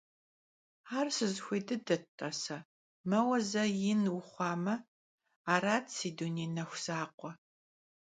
Ar sızıxuêy dıdet, t'ase, meue ze yin vuxhuame, arat, si dunêy nexu zakhue.